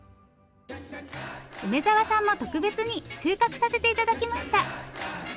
梅沢さんも特別に収穫させて頂きました。